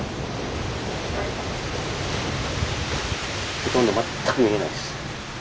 ほとんど全く見えないです。